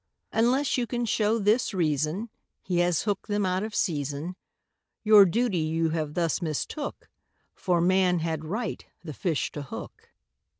Unless you can show this reason, He has hooked them out of season, Your duty you have thus mistook, For man had right the fish to hook.